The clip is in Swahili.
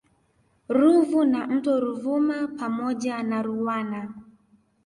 Ruvu na mto Ruvuma pamoja na Ruwana